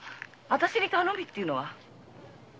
私に頼みっていうのは？